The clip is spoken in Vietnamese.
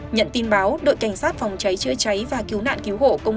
nhận tin báo đội cảnh sát phòng cháy chưa cháy và cứu nạn cứu hộ